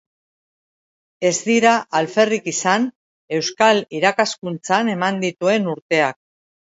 Ez dira alferrik izan euskal irakaskuntzan eman dituen urteak.